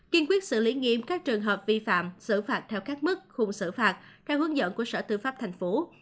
kiên quyết xử lý nghiêm các trường hợp vi phạm xử phạt theo các mức khung xử phạt theo hướng dẫn của sở tư pháp tp